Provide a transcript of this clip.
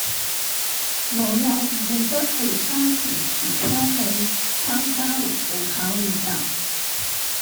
老友唔記得去沙田源昌里參加緩步跑練習